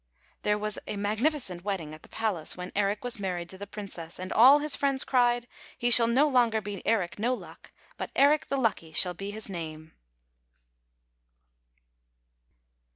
There was a magnificent wedding at the palace when Eric was married to the Princess ; and all his friends cried, " He shall no longer be Eric No Luck; but Eric the Lucky shall be his name."